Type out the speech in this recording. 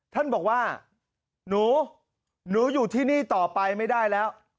ท่านบอกว่าหนูหนูอยู่ที่นี่ต่อไปไม่ได้แล้ว